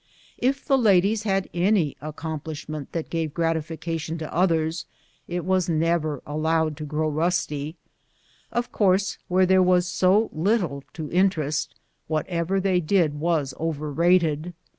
If the ladies had any accomplishment that gave grati fication to others, it was never allowed to grow rusty. Of course, where there was so little to interest, whatever they did was overrated.